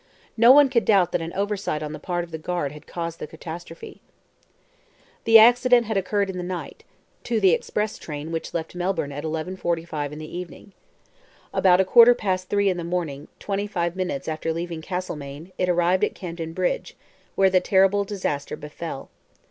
No one could doubt that an oversight on the part of the guard had caused the catastrophe. The accident had occurred in the night, to the express train which left Melbourne at 11:45 in the evening. About a quarter past three in the morning, twenty five minutes after leaving Castlemaine, it arrived at Camden Bridge, where the terrible disaster befell.